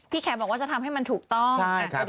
พี่แคว่าต้องทำให้มันถูกต้อง